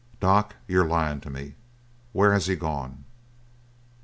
"Doc, you're lyin' to me! Where has he gone?"